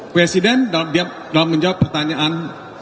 presiden dalam menjawab pertanyaan